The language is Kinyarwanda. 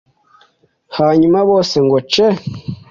hanyuma bose ngo ce